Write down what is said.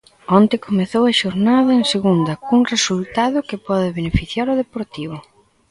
Onte comezou a xornada en segunda cun resultado que pode beneficiar o Deportivo.